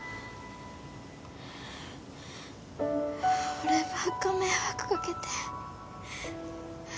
俺ばっか迷惑掛けて。